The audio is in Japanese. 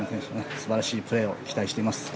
素晴らしいプレーを期待します。